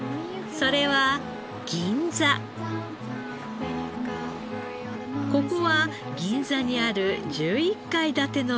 ここは銀座にある１１階建てのビル。